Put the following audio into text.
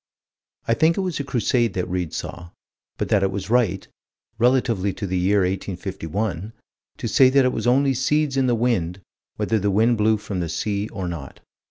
I think it was a Crusade that Read saw but that it was right, relatively to the year 1851, to say that it was only seeds in the wind, whether the wind blew from the sea or not.